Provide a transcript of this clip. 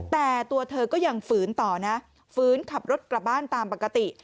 แต่ตัวเธอก็ยังฝืนต่อนะฝืนขับรถกลับบ้านตามปกติ